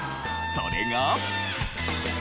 それが。